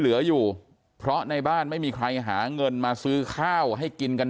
เหลืออยู่เพราะในบ้านไม่มีใครหาเงินมาซื้อข้าวให้กินกัน